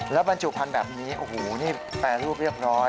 แล้วบรรจุพันธุ์แบบนี้โอ้โหนี่แปรรูปเรียบร้อย